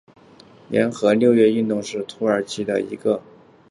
联合六月运动是土耳其的一个左翼政党联盟。